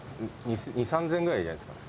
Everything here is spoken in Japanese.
２０００３０００ぐらいじゃないですかね。